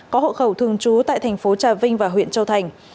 có hộ khẩu thường trú tại thành phố trà vinh và huyện châu thành